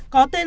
có tên dễ dàng